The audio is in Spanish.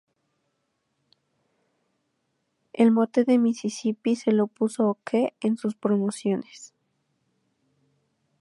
El mote de "Mississippi" se lo puso Okeh en sus promociones.